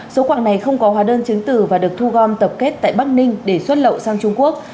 số quạng này không có hóa đơn chứng từ và được thu gom tập kết tại bắc ninh để xuất lậu sang trung quốc